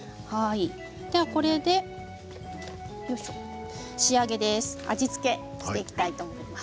これで仕上げです。